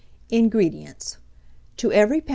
INGREDIENTS. To every lb.